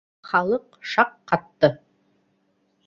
- Халыҡ шаҡ ҡатты.